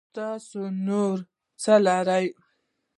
تاسو نور څه لرئ